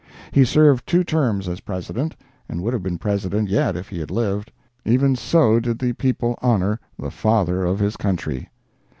He served two terms as President, and would have been President yet if he had lived—even so did the people honor the Father of his Country.